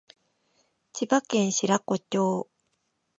千葉県白子町